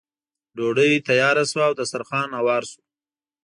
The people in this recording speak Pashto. ډوډۍ تیاره شوه او دسترخوان هوار شو.